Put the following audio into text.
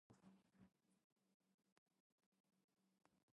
They did not consult the Saramaka authorities.